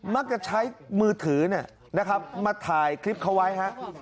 มักจะใช้มือถือนะครับมาถ่ายคลิปเขาไว้ฮะ